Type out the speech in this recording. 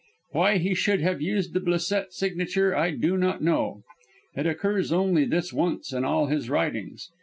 Why he should have used the Blisset signature I do not know. It occurs only this once in all his writings.